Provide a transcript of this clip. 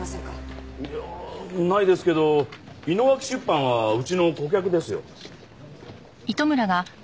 いやないですけど井野脇出版はうちの顧客ですよ。